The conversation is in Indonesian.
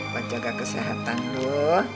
buat jaga kesehatan lu